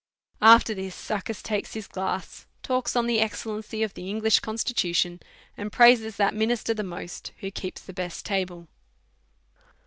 After til is Succus takes his g Jass^ talks of the ex cellency of the English constitution, and praises that minister the most who keeps the best table.